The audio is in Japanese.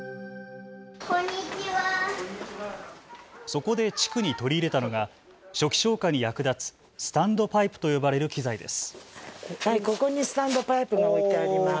そこで地区に取り入れたのが初期消火に役立つスタンドパイプと呼ばれる機材です。